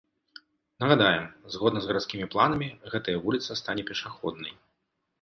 Нагадаем, згодна з гарадскімі планамі, гэтая вуліца стане пешаходнай.